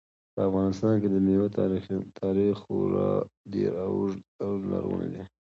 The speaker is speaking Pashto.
په افغانستان کې د مېوو تاریخ خورا ډېر اوږد او لرغونی دی.